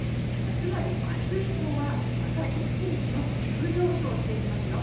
つまり明日以降はまた、一気に気温が急上昇していきますよ。